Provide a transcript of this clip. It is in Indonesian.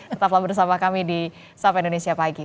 tetaplah bersama kami di sapa indonesia pagi